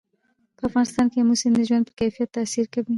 په افغانستان کې آمو سیند د ژوند په کیفیت تاثیر کوي.